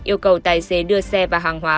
yêu cầu tài xế đưa xe và hàng hóa